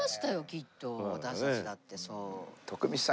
きっと私たちだって。